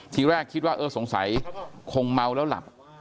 ทีแรกคิดว่าเออสงสัยคงเมาแล้วหลับ